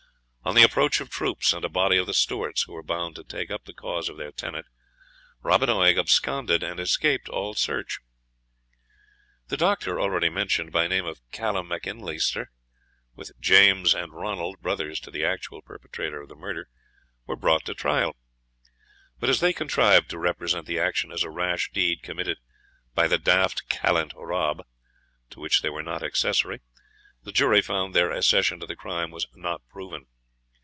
On the approach of troops, and a body of the Stewarts, who were bound to take up the cause of their tenant, Robin Oig absconded, and escaped all search. The doctor already mentioned, by name Callam MacInleister, with James and Ronald, brothers to the actual perpetrator of the murder, were brought to trial. But as they contrived to represent the action as a rash deed committed by "the daft callant Rob," to which they were not accessory, the jury found their accession to the crime was Not Proven.